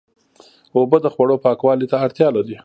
اوبه د خوړو پاکوالي ته اړتیا لري.